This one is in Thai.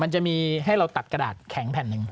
มันจะมีให้เราตัดกระดาษแข็งแผ่นหนึ่ง